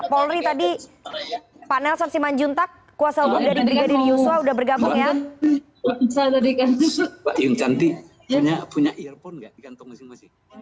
polri tadi pak nelson simanjuntak kuasa umum dari brigadir yuswa sudah bergabung ya